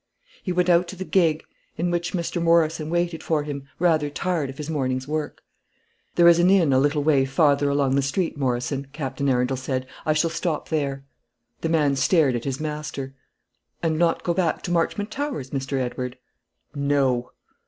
He went out to the gig, in which Mr. Morrison waited for him, rather tired of his morning's work. "There is an inn a little way farther along the street, Morrison," Captain Arundel said. "I shall stop there." The man stared at his master. "And not go back to Marchmont Towers, Mr. Edward?" "No."